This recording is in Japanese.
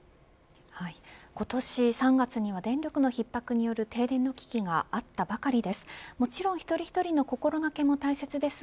今年３月には電力の逼迫による停電の危機があったばかりです。